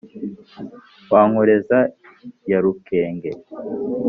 wa nkoreza ya rukuge,